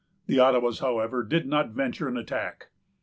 The Ottawas, however, did not venture an attack.